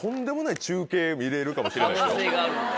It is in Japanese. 可能性があるんだよね。